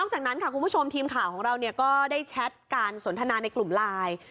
จากนั้นค่ะคุณผู้ชมทีมข่าวของเราก็ได้แชทการสนทนาในกลุ่มไลน์